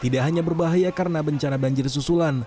tidak hanya berbahaya karena bencana banjir susulan